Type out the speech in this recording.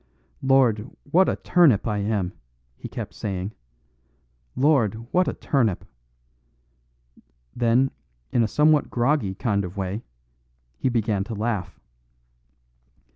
"Lord, what a turnip I am!" he kept saying. "Lord, what a turnip!" Then, in a somewhat groggy kind of way, he began to laugh.